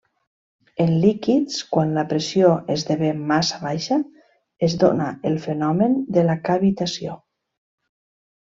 En líquids, quan la pressió esdevé massa baixa, es dóna el fenomen de la cavitació.